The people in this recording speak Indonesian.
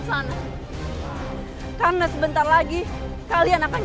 assalamualaikum warahmatullahi wabarakatuh